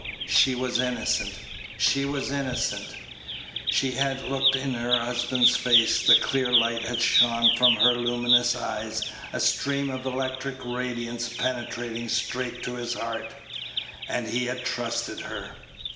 She was innocent! She was innocent! She had looked in her husband's face, the clear light had shone from her luminous eyes, a stream of electric radiance penetrating straight to his heart and he had trusted her.